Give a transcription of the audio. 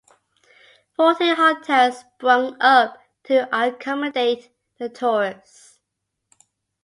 Forty hotels sprung up to accommodate the tourists.